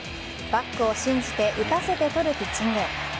バックを信じて打たせて取るピッチング。